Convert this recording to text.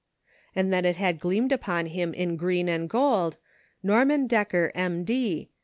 And then it had gleamed upon him in green and gold, — "Norman Decker, M. D.